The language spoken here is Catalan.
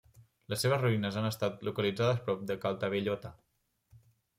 Les seves ruïnes han estat localitzades prop de Caltabellotta.